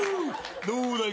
どうだい？